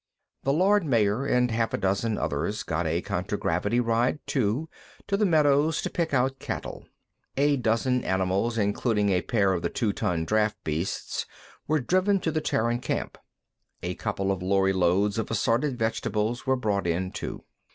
The Lord Mayor and half a dozen others got a contragravity ride, too, to the meadows to pick out cattle. A dozen animals, including a pair of the two ton draft beasts, were driven to the Terran camp. A couple of lorry loads of assorted vegetables were brought in, too.